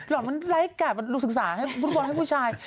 เอาแบบนั้น่ะเล่าให้กับดูศึกษาให้ฟุตบอลให้ผู้ชาย